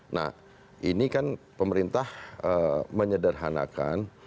nah ini kan pemerintah menyederhanakan